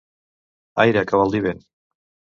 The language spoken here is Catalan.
Aire, que vol dir vent!